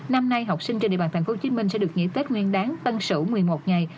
năm nay học sinh trên địa bàn tp hcm sẽ được nghỉ tết nguyên đáng tân sửu một mươi một ngày